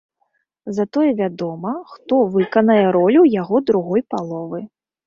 Затое вядома, хто выканае ролю яго другой паловы.